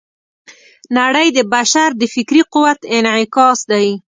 نړۍ د بشر د فکري قوت انعکاس دی.